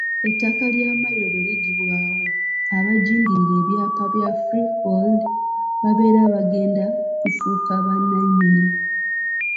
Ettaka lya Mmayiro bwe liggyibwawo, abajingirira ebyapa bya ‘Freehold’ babeera bagenda kufuuka bannannyini.